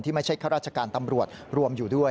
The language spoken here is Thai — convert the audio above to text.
ไม่ใช่ข้าราชการตำรวจรวมอยู่ด้วย